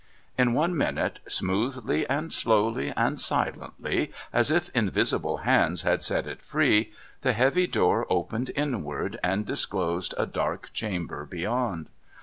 In one minute, smoothly and slowly and silently, as if invisible hands had set it free, the heavy door opened inward, and disclosed a dark chamber beyond.